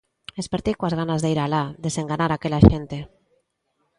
Espertei coas ganas de ir alá desenganar aquela xente.